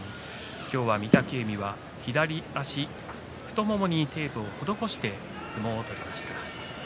今日は御嶽海左足太ももにテープを施して相撲を取りました。